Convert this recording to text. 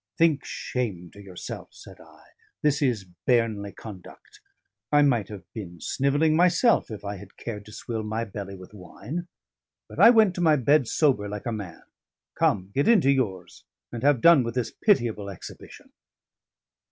"Think shame to yourself," said I. "This is bairnly conduct. I might have been snivelling myself, if I had cared to swill my belly with wine. But I went to my bed sober like a man. Come: get into yours, and have done with this pitiable exhibition."